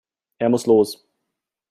Er muss los.